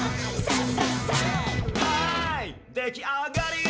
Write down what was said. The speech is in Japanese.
「はいできあがり！」